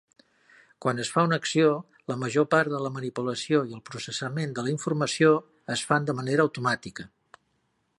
Quan es fa una acció, la major part de la manipulació i el processament de la informació es fan de manera automàtica.